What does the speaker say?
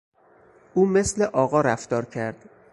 او مثل آقا رفتار کرد.